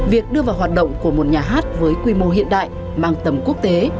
việc đưa vào hoạt động của một nhà hát với quy mô hiện đại mang tầm quốc tế